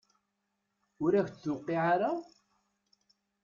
Ur ak-d-tuqiɛ ara?